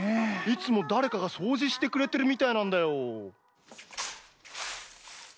いつもだれかがそうじしてくれてるみたいなんだよ。